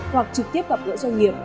hoặc trực tiếp gặp lỗi doanh nghiệp